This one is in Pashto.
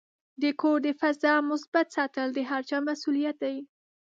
د کور د فضا مثبت ساتل د هر چا مسؤلیت دی.